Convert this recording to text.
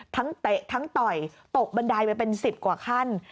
ทั้งเตะทั้งต่อยตกบันดายไปเป็นสิบกว่าขั้น